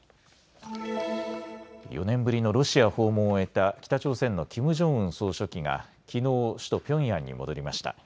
４年ぶりのロシア訪問を終えた北朝鮮のキム・ジョンウン総書記がきのう首都ピョンヤンに戻りました。